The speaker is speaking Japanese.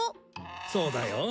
そうだよ。